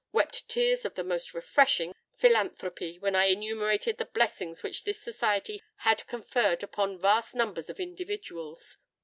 —wept tears of the most refreshing philanthropy, when I enumerated the blessings which this Society had conferred upon vast numbers of individuals.